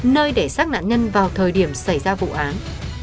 nơi để xác nạn nhân vào thời điểm xảy ra vụ án